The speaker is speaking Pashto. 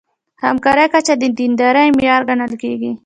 همکارۍ کچه د دیندارۍ معیار ګڼل کېږي.